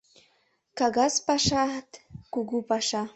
Кагаз пашат — кугу паша.